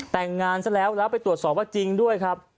แต่งงานซะแล้วแล้วไปตรวจสอบว่าจริงด้วยครับ